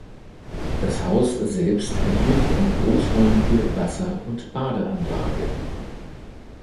Das Haus selbst erhielt eine großräumige Wasser- und Badeanlage.